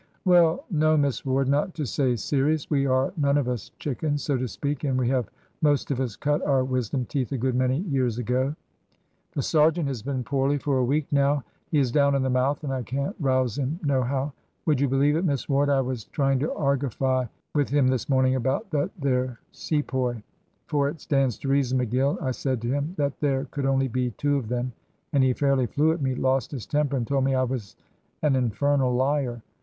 "Well, no, Miss Ward, not to say serious we are none of us chickens, so to speak, and we have most of us cut our wisdom teeth a good many years ago. The sergeant has been poorly for a week now. He is down in the mouth, and I can't rouse him nohow. Would you believe it, Miss Ward, I was trying to argify with him this morning about that there Sepoy. 'For it stands to reason, McGill,' I said to him, 'that there could only be two of them;' and he fairly flew at me, lost his temper, and told me I was an infernal liar.